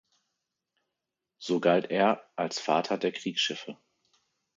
So galt er als „Vater der Kriegsschiffe“.